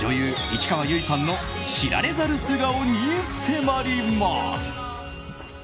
市川由衣さんの知られざる素顔に迫ります。